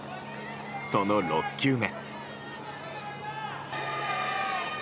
その６球目。